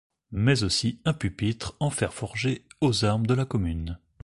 Mais aussi un pupitre en fer forgé aux armes de la commune.